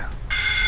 aku mau buktikan